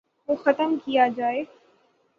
وہ ختم کیا جائے۔